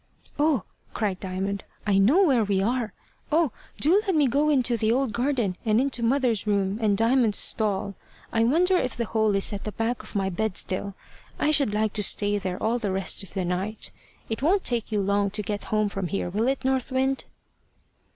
"Oh!" cried Diamond, "I know now where we are. Oh! do let me go into the old garden, and into mother's room, and Diamond's stall. I wonder if the hole is at the back of my bed still. I should like to stay there all the rest of the night. It won't take you long to get home from here, will it, North Wind?"